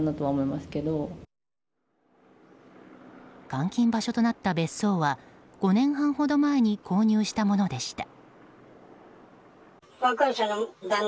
監禁場所となった別荘は５年半ほど前に購入したものでした。